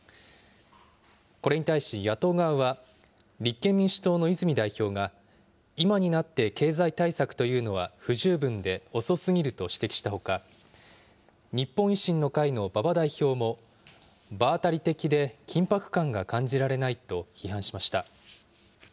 これに対し、野党側は立憲民主党の泉代表が、今になって経済対策というのは不十分で遅すぎると指摘したほか、日本維新の会の馬場代表も、場当たり的で緊迫感が感じられないと批判しました。